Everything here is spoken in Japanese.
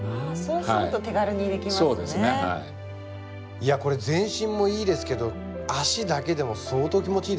いやこれ全身もいいですけど足だけでも相当気持ちいいですよ。